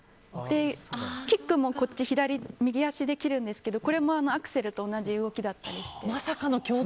キックも右足で蹴るんですけどこれもアクセルと同じ動きだったりして。